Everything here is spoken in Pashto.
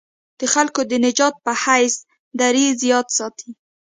د خلکو د نجات په حیث دریځ یاد ساتي.